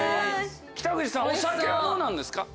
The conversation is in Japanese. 北口さんお酒はどうなんですか？